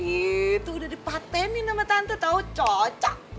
itu udah dipatenin sama tante tau cocok